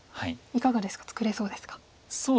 いかがですか作れそうですか？